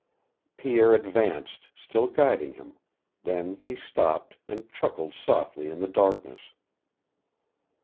Pierre advanced, still guiding him; then he stopped, and chuckled softly in the darkness.